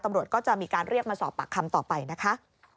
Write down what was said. ตำรวจก็จะมีการเรียกมาสอบปากคำต่อไปนะคะ